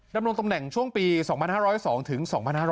ดำรงตำแหน่งช่วงปี๒๕๐๒ถึง๒๕๖๐